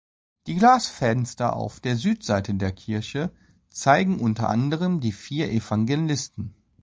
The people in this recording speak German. Die Glasfenster auf der Südseite der Kirche zeigen unter anderem die vier Evangelisten.